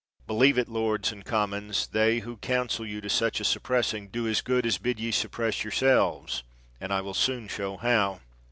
Believe it, lords and commons, they who counsel you to such a sup pressing do as good as bid ye suppress your selves; and I will soon show how.